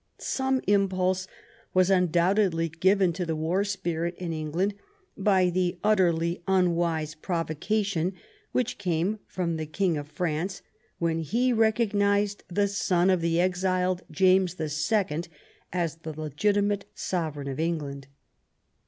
Some impulse was un doubtedly given to the war spirit in England by the utterly unwise provocation which came from the King of France when he recognized the son of the exiled James the Second as the legitimate sovereign of Eng land.